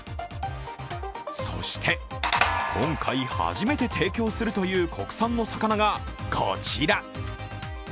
そして今回初めて提供するという国産の魚がこちら。